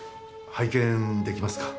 拝見出来ますか？